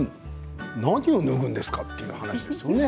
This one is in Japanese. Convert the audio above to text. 何を脱ぐんですか、という話ですよね。